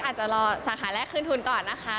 อาจจะรอสาขาแรกขึ้นทุนก่อนนะคะ